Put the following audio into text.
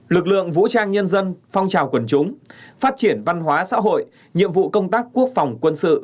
lực lượng vũ trang nhân dân phong trào quần chúng phát triển văn hóa xã hội nhiệm vụ công tác quốc phòng quân sự